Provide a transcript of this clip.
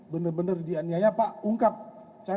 menurut pemerintah khusus